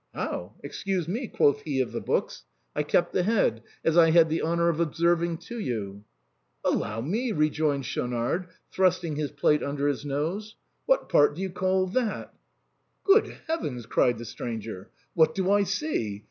" How ? Excuse me," quoth he of the books ;"/ kept the head, as I had the honor of observing to you." " Allow me," rejoined Schaunard, thrusting his plate under his nose ;" what part do you call that ?" HOW THE BOHEMIAN CLUB WAS FORMED. 21 *' Good heavens !" cried the stranger, " what do I see